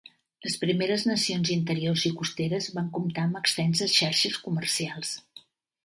Les Primeres Nacions interiors i costeres van comptar amb extenses xarxes comercials.